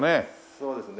そうですね。